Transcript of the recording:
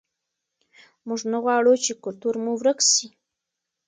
موږ نه غواړو چې کلتور مو ورک سي.